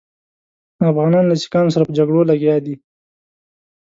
افغانان له سیکهانو سره په جګړو لګیا دي.